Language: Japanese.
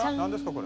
これ。